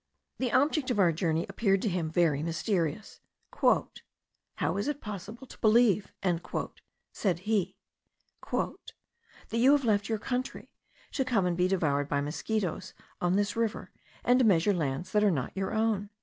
The object of our journey appeared to him very mysterious. "How is it possible to believe," said he, "that you have left your country, to come and be devoured by mosquitos on this river, and to measure lands that are not your own?"